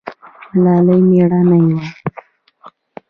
ملالۍ میړنۍ وه